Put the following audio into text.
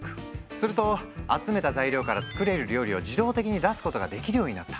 すると集めた材料から作れる料理を自動的に出すことができるようになった。